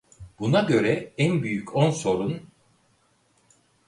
Buna göre en büyük on sorun: